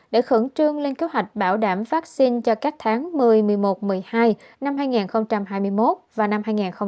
để khẩn trương lên kế hoạch bảo đảm phát sinh cho các tháng một mươi một mươi một một mươi hai năm hai nghìn hai mươi một và năm hai nghìn hai mươi bốn